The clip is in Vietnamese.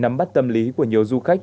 nắm bắt tâm lý của nhiều du khách